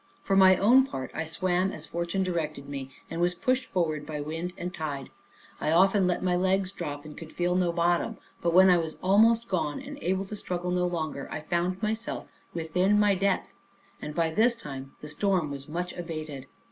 For my own part, I swam as fortune directed me, and was pushed forward by wind and tide. I often let my legs drop, and could feel no bottom; but when I was almost gone, and able to struggle no longer, I found myself within my depth; and by this time the storm was much abated.